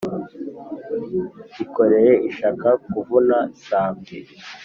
ikoreye ishaka kuvuna sambwe